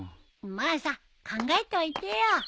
まあさ考えておいてよ。